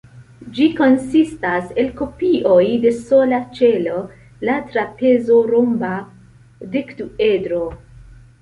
Ĝi konsistas el kopioj de sola ĉelo, la trapezo-romba dekduedro.